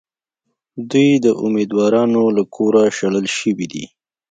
دوی د اُمیدوارانو له کوره شړل شوي دي.